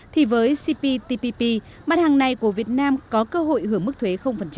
thì với cptpp mặt hàng này của việt nam có cơ hội hưởng mức thuế